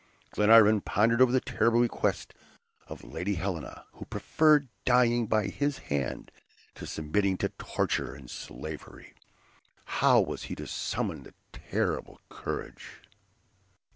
Glenarvan pondered over the terrible request of Lady Helena, who preferred dying by his hand to submitting to torture and slavery. How was he to summon the terrible courage!